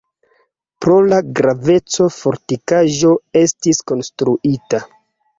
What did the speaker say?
Pro la graveco fortikaĵo estis konstruita.